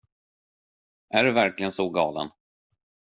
Är du verkligen så galen?